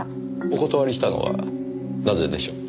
お断りしたのはなぜでしょう。